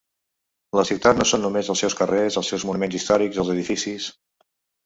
La ciutat no són només els seus carrers, els seus monuments històrics, els edificis.